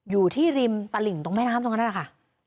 อยู่ที่ริมตลิ่งตรงแม่น้ำตรงนั้นนั่นแหละค่ะ